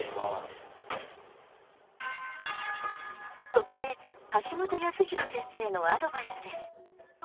ここで橋本康弘先生のアドバイスです。